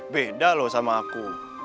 beda loh sama aku